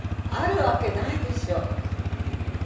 あるわけないでしょ。